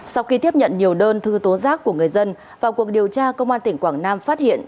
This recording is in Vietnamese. sau khi tiếp nhận nhiều đơn thư tố giác của người dân vào cuộc điều tra công an tỉnh quảng nam phát hiện